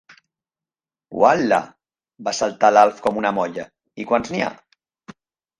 Ual·la! —va saltar l'Alf com una molla— I quants n'hi ha?